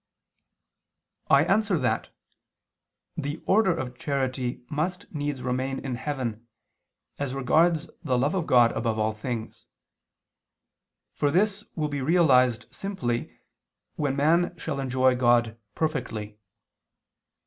I answer that, The order of charity must needs remain in heaven, as regards the love of God above all things. For this will be realized simply when man shall enjoy God perfectly.